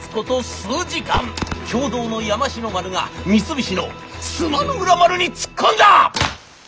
数時間共同の山城丸が三菱の須磨の浦丸に突っ込んだ！